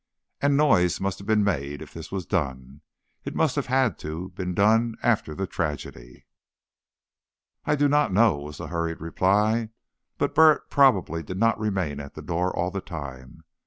And noise must have been made if this was done, as it must have had to be done after the tragedy." "I know I do not," was the hurried reply. "But Burritt probably did not remain at the door all the time.